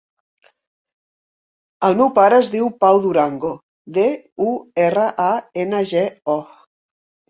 El meu pare es diu Pau Durango: de, u, erra, a, ena, ge, o.